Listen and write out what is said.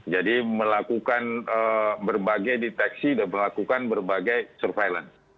jadi melakukan berbagai deteksi dan melakukan berbagai surveillance